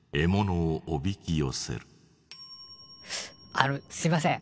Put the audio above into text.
あのすみません。